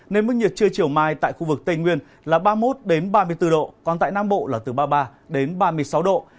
nên mức nhiệt trưa chiều mai tại khu vực tây nguyên là ba mươi một ba mươi bốn độ còn tại nam bộ là từ ba mươi ba đến ba mươi sáu độ